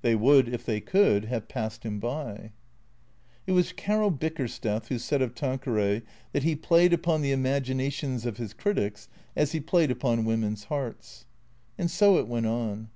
They would, if they could, have passed him by. It was Caro Bickersteth who said of Tanqueray that he played upon the imaginations of his critics as he played upon women's hearts. And so it went on.